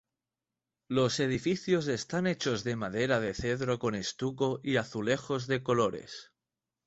Los edificios están hechos de madera de cedro con estuco y azulejos de colores.